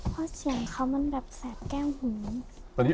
เพราะเสียงเขามันแบบแสบแก้วหู